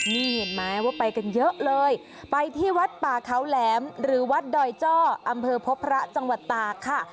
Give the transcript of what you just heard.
นี่เห็นไหมว่าไปกันเยอะเลยไปที่วัดป่าเขาแหลมหรือวัดดอยจ้ออำเภอพบพระจังหวัดตากค่ะ